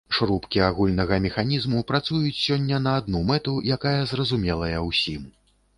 Шрубкі агульнага механізму працуюць сёння на адну мэту, якая зразумелая ўсім.